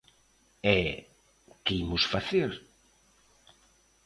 E ¿que imos facer?